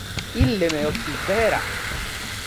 Ille me occidera!